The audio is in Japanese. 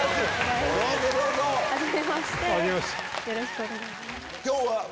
よろしくお願いします。